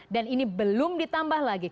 dan ini belum ditambah lagi